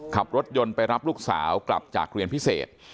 ขับรถยนต์ไปรับลูกสาวกลับจากเรียนพิเศษ